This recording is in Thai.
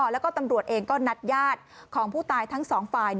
แล้วก็ตำรวจเองก็นัดญาติของผู้ตายทั้งสองฝ่าย